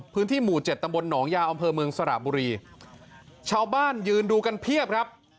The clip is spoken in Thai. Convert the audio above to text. พื้นที่หมู่เจ็ดตำบลหนองยาวอำเภอเมืองสระบุรีชาวบ้านยืนดูกันเพียบครับ